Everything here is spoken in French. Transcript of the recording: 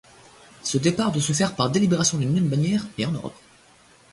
Ce départ doit se faire par délibération d'une même bannière et en ordre.